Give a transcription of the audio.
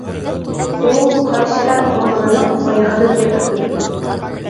ئۇ، قاراشەھەر قورغىنىنىڭ ئايىغىدىن ئېقىپ ئۆتىدۇ.